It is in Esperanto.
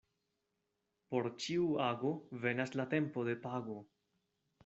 Por ĉiu ago venas la tempo de pago.